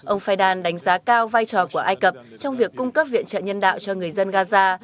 ông faydan đánh giá cao vai trò của ai cập trong việc cung cấp viện trợ nhân đạo cho người dân gaza